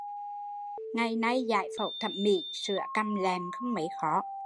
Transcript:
Ngày nay giải phẫu thẩm mỹ sửa cằm lẹm không mấy khó